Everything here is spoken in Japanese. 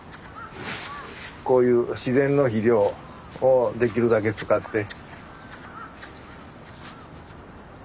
こういう自然の肥料をできるだけ使って。